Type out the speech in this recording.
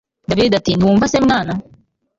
david ati ntiwumva se mwana